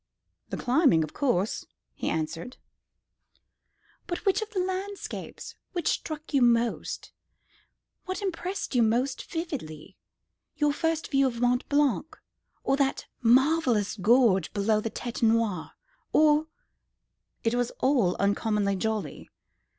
"The climbing, of course," he answered. "But which of all the landscapes? What struck you most? What impressed you most vividly? Your first view of Mont Blanc, or that marvellous gorge below the Tête Noire, or ?" "It was all uncommonly jolly.